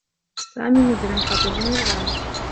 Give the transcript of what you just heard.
سامي مجرم خطير للغاية.